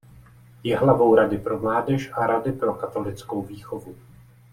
Je hlavou Rady pro mládež a Rady pro katolickou výchovu.